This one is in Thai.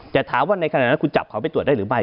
แต่ถามว่าในขณะนั้นคุณจับเขาไปตรวจได้หรือไม่